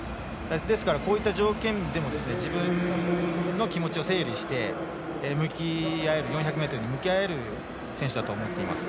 ですからこういった条件でも自分の気持ちを整理して４００ｍ向き合える選手だと思っています。